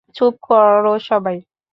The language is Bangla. চুপ কর সবাই।